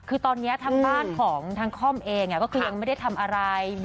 คือตอนนี้ทางบ้านของทางค่อมเองก็คือยังไม่ได้ทำอะไร